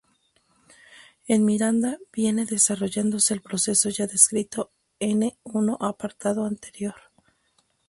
En miranda viene desarrollándose el proceso ya descrito ene l apartado anterior.